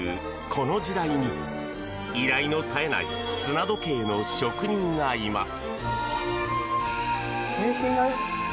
この時代に依頼の絶えない砂時計の職人がいます。